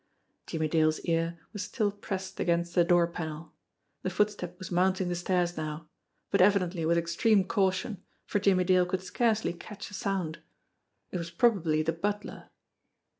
Jimmie Dale's ear was still pressed against the door panel The footstep was mounting the stairs now but evidently with extreme caution, for Jimmie Dale could scarcely catch a sound. It was probably the butler.